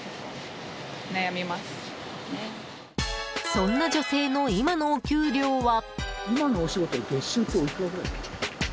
そんな女性の、今のお給料は。